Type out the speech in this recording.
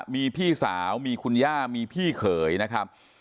มีพี่สาวมีคุณย่ามีพี่เขยนะครับ